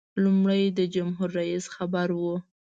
لومړی د جمهور رئیس خبر و.